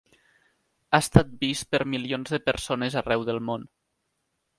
Ha estat vist per milions de persones arreu del món.